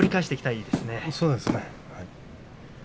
そうですね。